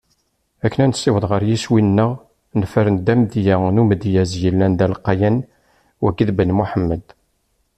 Akken ad nessaweḍ ɣer yiswi-neɣ, nefren-d amedya n umedyaz yellan d alqayan: Wagi d Ben Muḥemmed.